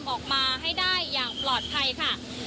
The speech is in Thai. ออกมาให้ได้อย่างปลอดภัยค่ะ